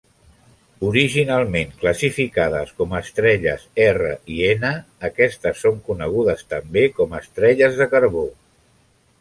Originalment classificades com estrelles R i N, aquestes són conegudes també com "estrelles de carbó".